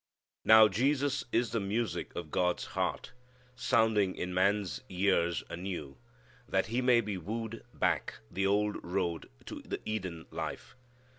Now Jesus is the music of God's heart sounding in man's ears anew, that he may be wooed back the old road to the Eden life.